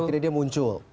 akhirnya dia muncul